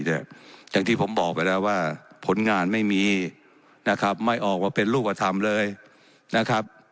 อย่างที่ผมบอกไปแล้วว่าผลงานไม่มีนะครับไม่ออกมาเป็นรูปธรรมเลยนะครับ